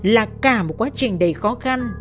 là cả một quá trình đầy khó khăn